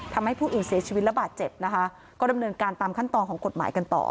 ทำให้ผู้อื่นเสียชีวิตแล้วบาดเจ็บนะคะ